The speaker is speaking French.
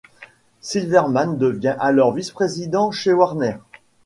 Silverman devient alors vice-président chez Warner.